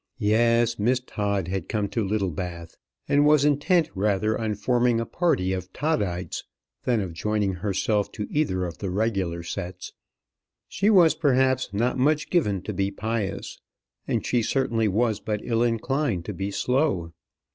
Yes, Miss Todd had come to Littlebath, and was intent rather on forming a party of Toddites than of joining herself to either of the regular sets. She was perhaps not much given to be pious, and she certainly was but ill inclined to be slow.